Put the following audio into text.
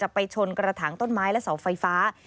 ไปชนกระถางต้นไม้และเสาไฟฟ้า